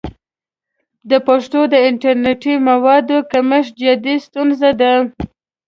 د پښتو د انټرنیټي موادو کمښت جدي ستونزه ده.